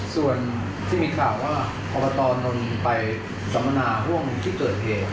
ส่วนที่มีข่าวว่าพนไปสัมมนาฮ่วงที่ตรวจเหตุ